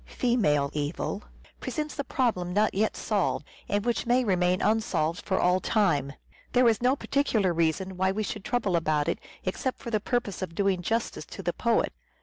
" female evil "— presents a problem not yet solved, and which may remain unsolved for all time. There is perhaps no particular reason why we should trouble about it except for the purpose of doing justice to the poet.